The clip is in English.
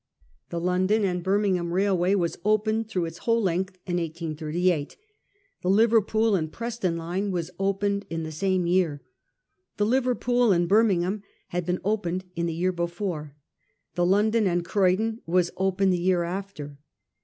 The London and Birmingham Railway was opened through its whole length in 1838. The Liverpool and Preston line was opened in the same year. The Liverpool and Birmingham had been opened in the year before ; the London and Croydon was opened the year after.